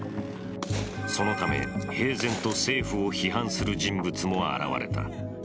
そのため、平然と政府を批判する人物も現れた。